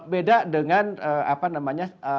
beda dengan apa namanya